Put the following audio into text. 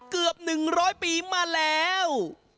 เกือบ๑๐๐ปีมาแล้ว